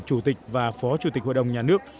chủ tịch và phó chủ tịch hội đồng nhà nước